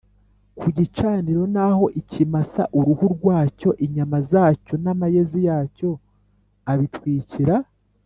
ku gicaniro Naho ikimasa uruhu rwacyo inyama zacyo n amayezi yacyo abitwikira